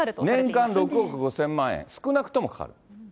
年間６億５０００万円、少なくともかかる。